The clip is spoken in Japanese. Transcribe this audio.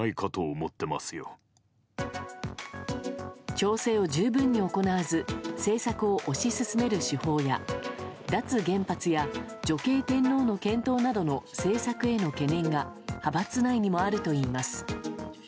調整を十分に行わず政策を推し進める手法や脱原発や女系天皇の検討などの政策への懸念が派閥内にもあるといいます。